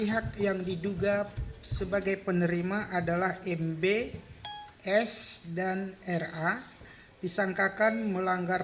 pihak yang diduga pemberanian tersebut adalah bh abr dan roh yang disangkakan melanggar